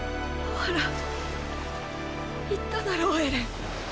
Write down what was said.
ほら言っただろエレン。